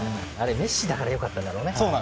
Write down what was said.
メッシだからよかったんだろうね。